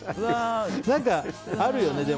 何かあるよね。